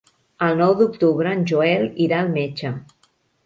El nou d'octubre en Joel irà al metge.